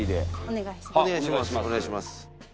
お願いします。